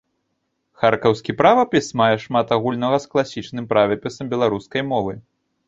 Харкаўскі правапіс мае шмат агульнага з класічным правапісам беларускай мовы.